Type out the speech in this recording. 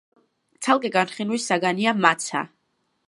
ცალკე განხილვის საგანია მაცა.